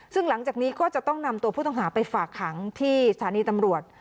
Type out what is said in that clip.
ซึ่งหลังจากนี้ก็จะต้องนำตัวผู้ต้องหาไปฝากขังที่สถานีตำรวจ